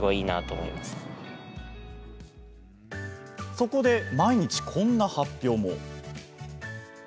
そこで、毎日こんな発表も。